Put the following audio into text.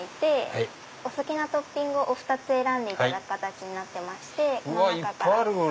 お好きなトッピングをお２つ選んでいただく形になってまして。